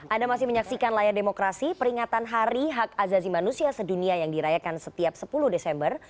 anda masih menyaksikan layar demokrasi peringatan hari hak azazi manusia sedunia yang dirayakan setiap sepuluh desember